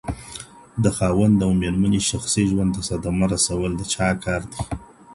د خاوند او ميرمني شخصي ژوند ته صدمه رسول د چا کار دی؟